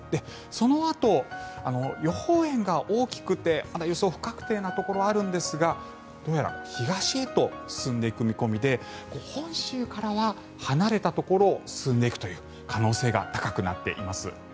そのあと、予報円が大きくてまだ予想不確定なところがあるんですがどうやら東へと進んでいく見込みで本州からは離れたところを進んでいくという可能性が高くなっています。